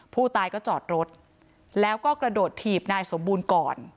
ผู้ตายก็จอดรถแล้วก็กระโดดถีบนายสมบูรณ์ก่อน